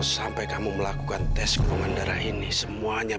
sampai jumpa di video selanjutnya